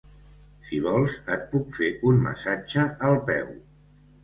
Si vols, et puc fer un massatge al peu.